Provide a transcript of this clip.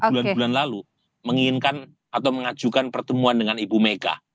pak prabowo kan sudah berbulan bulan lalu menginginkan atau mengajukan pertemuan dengan ibu mega